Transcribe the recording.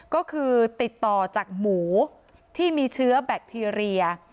ก็คือติดต่อจากหมูที่มีเชื้อแบคทีเรีย